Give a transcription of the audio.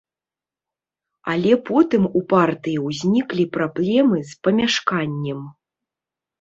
Але потым у партыі ўзніклі праблемы з памяшканнем.